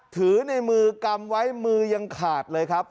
ถือในมือกำไว้มือยังขาดเลยครับ